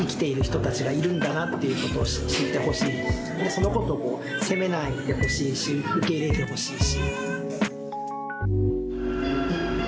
そのことを責めないでほしいし受け入れてほしいし。